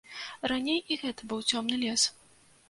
Раней і гэта быў цёмны лес.